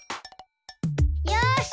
よし！